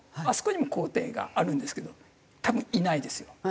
あそこにも公邸があるんですけど多分いないですよ。